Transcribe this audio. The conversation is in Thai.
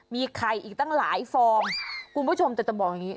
มีไข่อีกตั้งหลายฟองคุณผู้ชมแต่จะบอกอย่างนี้